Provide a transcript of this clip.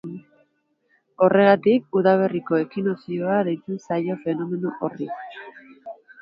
Horregatik, udaberriko ekinokzioa deitzen zaio fenomeno horri.